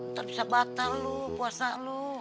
ntar bisa batal lu puasa lu